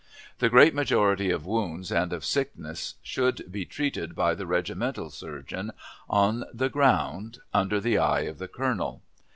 The great majority of wounds and of sickness should be treated by the regimental surgeon, on the ground, under the eye of the colonel.